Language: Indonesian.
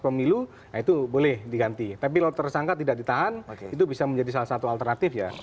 pemilu itu boleh diganti tapi kalau tersangka tidak ditahan itu bisa menjadi salah satu alternatif ya